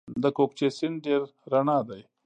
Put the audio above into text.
د کوکچې سیند ډیر رڼا دی